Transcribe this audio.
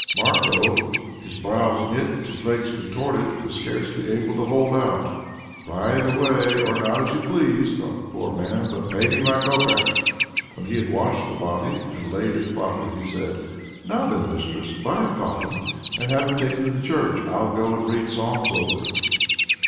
Marko, his brows knit, his legs contorted, was scarcely able to hold out. "Writhe away or not as you please," thought the poor man, "but pay me my copeck!" When he had washed the body, and laid it out properly, he said: "Now then, mistress, buy a coffin and have it taken into the church; I'll go and read psalms over it."